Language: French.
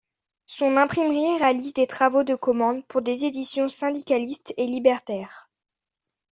Son imprimerie réalise des travaux de commande pour des éditions syndicalistes et libertaires.